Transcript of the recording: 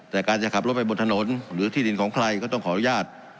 แต่การจะขับรถไปบนถนนหรือที่ดินของใครก็ต้องขออนุญาต